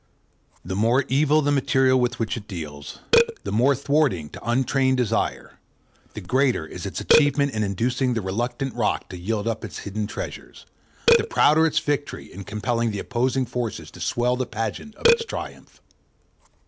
The more evil the material with which it deals, the more thwarting to untrained desire, the greater is its achievement in inducing the reluctant rock to yield up its hidden treasures, the prouder its victory in compelling the opposing forces to swell the pageant of its triumph.